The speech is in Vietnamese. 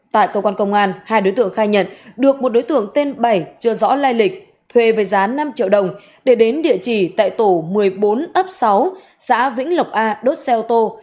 tại cơ quan công an hai đối tượng khai nhận được một đối tượng tên bảy chưa rõ lai lịch thuê với giá năm triệu đồng để đến địa chỉ tại tổ một mươi bốn ấp sáu xã vĩnh lộc a đốt xe ô tô